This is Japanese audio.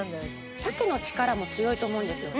鮭の力も強いと思うんですよね。